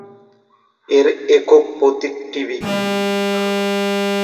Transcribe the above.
এর একক প্রতীক টিবি।